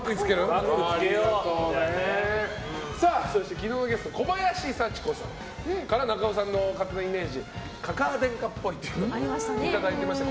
昨日のゲスト小林幸子さんから中尾さんの勝手なイメージかかあ天下っぽいというのをいただいていまして。